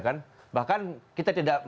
sebenarnya figur ahaya kita bisa beradu